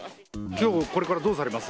きょう、これからどうされます？